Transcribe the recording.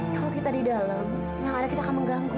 kalau kita di dalam yang ada kita akan mengganggu